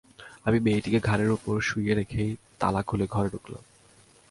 আমি মেয়েটিকে ঘাড়ের উপর শুইয়ে রেখেই তালা খুলে ঘরে ঢুকলাম।